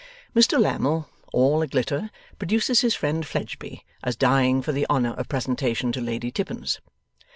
Mr Lammle, all a glitter, produces his friend Fledgeby, as dying for the honour of presentation to Lady Tippins.